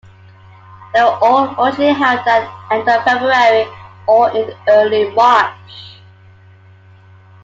They were all originally held at the end of February or in early March.